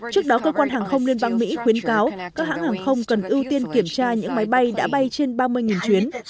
trước đó cơ quan hàng không liên bang mỹ khuyến cáo các hãng hàng không cần ưu tiên kiểm tra những máy bay đã bay trên ba mươi chuyến